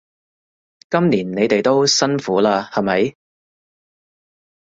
今年你哋都辛苦喇係咪？